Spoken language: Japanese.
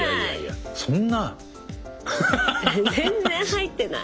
全然入ってない。